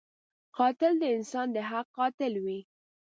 قاتل د انسان د حق قاتل وي